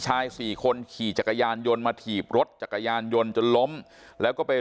ชายสี่คนขี่จักรยานยนต์มาถีบรถจักรยานยนต์จนล้มแล้วก็ไป